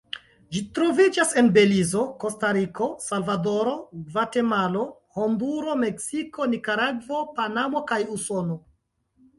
Ĝi troviĝas en Belizo, Kostariko, Salvadoro, Gvatemalo, Honduro, Meksiko, Nikaragvo, Panamo kaj Usono.